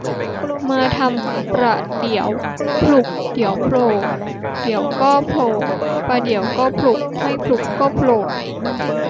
มาทำประเดี๋ยวผลุบเดี๋ยวโผล่ เดี๋ยวก็โผล่ประเดี๋ยวก็ผลุบไม่ผลุบก็โผล่